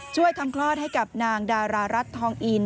ทำคลอดให้กับนางดารารัฐทองอิน